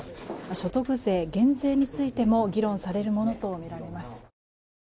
所得税減税についても議論されるものとみられます。